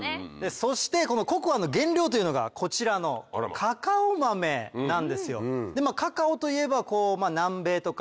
そしてココアの原料というのがこちらのカカオ豆なんですよ。